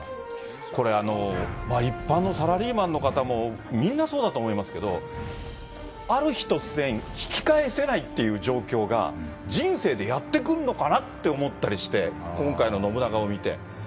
これ、一般のサラリーマンの方もみんなそうだと思いますけど、ある日突然、引き返せないっていう状況が人生でやって来るのかなって思ったりなるほど。